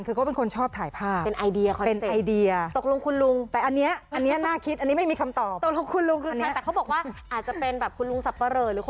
คือเขาเป็นคนชอบถ่ายภาพ